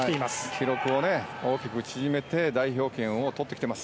記録を大きく縮めて代表権をとってきています。